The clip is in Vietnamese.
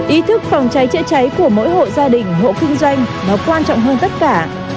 ý thức phòng cháy chữa cháy của mỗi hộ gia đình hộ kinh doanh nó quan trọng hơn tất cả